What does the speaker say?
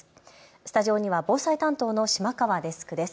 スタジオには防災担当の島川デスクです。